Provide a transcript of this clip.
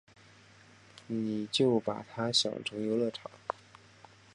你就把他想成游乐场